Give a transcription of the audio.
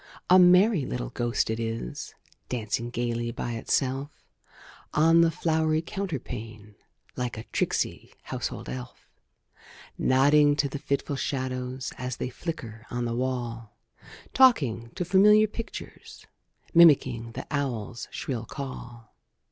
A merry little ghost it is, Dancing gayly by itself, On the flowery counterpane, Like a tricksy household elf; Nodding to the fitful shadows, As they flicker on the wall; Talking to familiar pictures, Mimicking the owl's shrill call.